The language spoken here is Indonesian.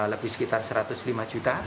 lebih sekitar rp satu ratus lima jutaan